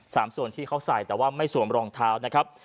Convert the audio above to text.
สามส่วนที่เขาใส่แต่ว่าไม่สวมรองเท้านะครับ